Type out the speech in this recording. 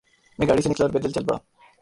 میں گاڑی سے نکلا اور پیدل چل پڑا۔